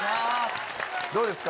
どうですか？